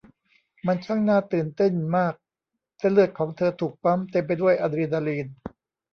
มันช่างน่าตื่นเต้นมากเส้นเลือดของเธอถูกปั๊มเต็มไปด้วยอะดรีนาลีน